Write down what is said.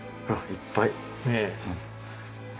いっぱい。